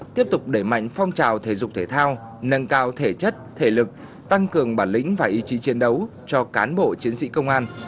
tiếp tục đẩy mạnh phong trào thể dục thể thao nâng cao thể chất thể lực tăng cường bản lĩnh và ý chí chiến đấu cho cán bộ chiến sĩ công an